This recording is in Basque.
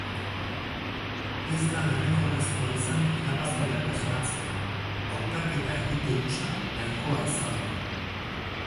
Ez da derrigorrezkoa izan irabazleak asmatzea, hautaketa egite hutsa nahikoa izan da.